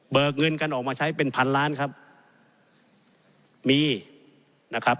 เงินกันออกมาใช้เป็นพันล้านครับมีนะครับ